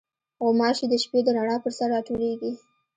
غوماشې د شپې د رڼا پر سر راټولېږي.